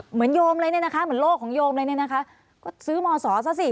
เหมือนโลกของโยมเลยนะครับก็ซื้อมศซะสิ